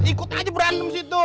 ikut aja berantem situ